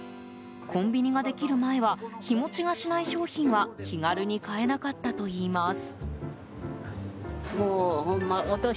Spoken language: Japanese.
コンビニができる前は日持ちがしない商品は気軽に買えなかったといいます。